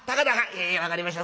へえ分かりました。